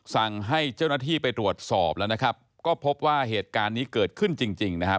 สั่งให้เจ้าหน้าที่ไปตรวจสอบแล้วนะครับก็พบว่าเหตุการณ์นี้เกิดขึ้นจริงจริงนะครับ